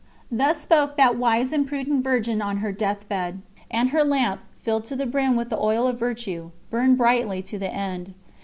Thus spoke that wise and prudent Virgin on her deathbed, and her lamp, filled to the brim with the oil of virtue, burned brightly to the end.